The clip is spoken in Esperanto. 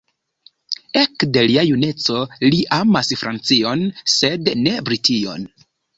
Ekde lia juneco li amas Francion sed ne Brition.